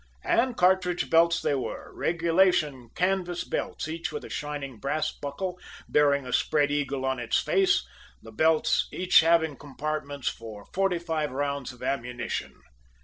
And cartridge belts they were regulation canvas belts, each with a shining brass buckle, bearing a spread eagle on its face, the belts each having compartments for forty five rounds of ammunition.